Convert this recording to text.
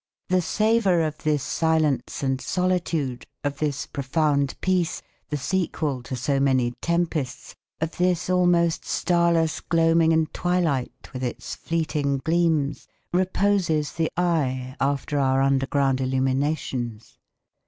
The savour of this silence and solitude, of this profound peace, the sequel to so many tempests, of this almost starless gloaming and twilight with its fleeting gleams, reposes the eye after our underground illuminations.